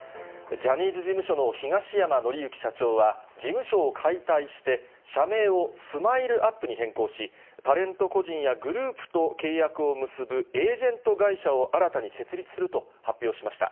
ジャニーズ事務所の東山紀之社長は、事務所を解体して、社名をスマイルアップに変更し、タレント個人やグループと契約を結ぶエージェント会社を新たに設立すると発表しました。